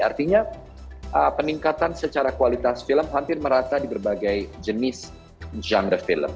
artinya peningkatan secara kualitas film hampir merata di berbagai jenis genre film